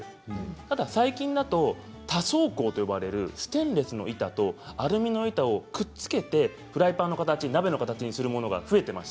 ただ多層ステンレスステンレスとアルミの板をくっつけてフライパンの鍋の形にするものが増えています。